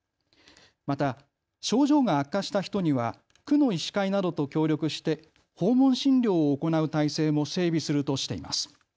また、症状が悪化した人には区の医師会などと協力して訪問診療を行う体制も整備するとしています。